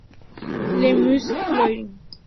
Le Malzieu-Forain